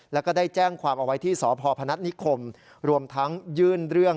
แล้วก็ได้แจ้งความเอาไว้ที่สพพนัฐนิคมรวมทั้งยื่นเรื่อง